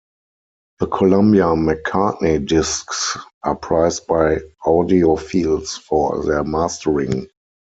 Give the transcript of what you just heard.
The Columbia McCartney Discs are prized by audiophiles for their mastering.